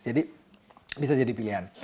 jadi bisa jadi pilihan